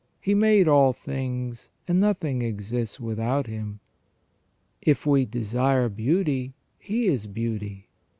He made all things, and nothing exists without Him. If we desire beauty, He is beauty.